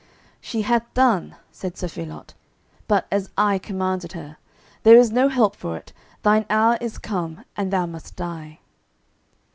"She hath done," said Sir Phelot, "but as I commanded her; there is no help for it; thine hour is come, and thou must die."